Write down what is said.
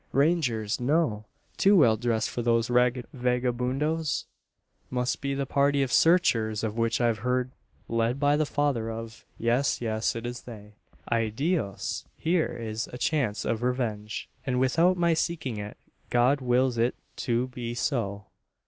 "Rangers no! Too well dressed for those ragged vagabundos? Must be the party of `searchers,' of which I've heard led by the father of Yes yes it is they. Ay Dios! here is a chance of revenge, and without my seeking it; God wills it to be so!"